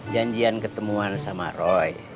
janjian ketemuan sama roy